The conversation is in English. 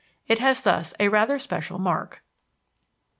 It has thus a rather special mark.